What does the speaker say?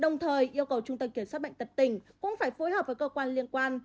đồng thời yêu cầu trung tâm kiểm soát bệnh tật tỉnh cũng phải phối hợp với cơ quan liên quan